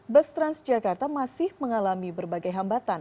bus transjakarta masih mengalami berbagai hambatan